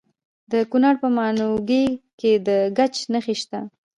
د کونړ په ماڼوګي کې د ګچ نښې شته.